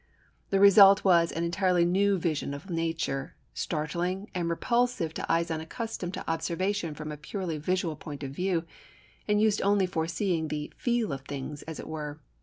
The result was an entirely new vision of nature, startling and repulsive to eyes unaccustomed to observation from a purely visual point of view and used only to seeing the "feel of things," as it were.